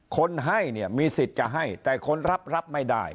คนให้เนี่ยมีสิทธิ์จะให้แต่คนรับรับไม่ได้